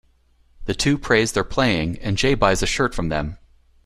The two praise their playing and Jay buys a shirt from them.